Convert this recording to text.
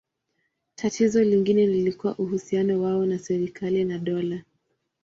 Tatizo lingine lilikuwa uhusiano wao na serikali na dola.